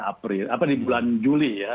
april apa di bulan juli ya